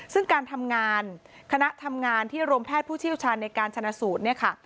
ซึ่งการทำงานคณะทำงานที่โรงแพทย์ผู้เชี่ยวชาญในการชนสูตร